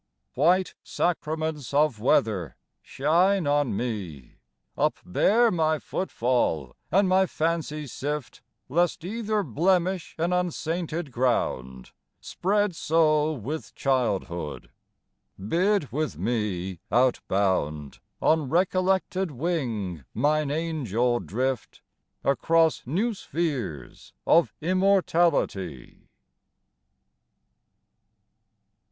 White sacraments of weather, shine on me! Upbear my footfall, and my fancy sift, Lest either blemish an ensainted ground Spread so with childhood. Bid with me, outbound, On recollected wing mine angel drift Across new spheres of immortality.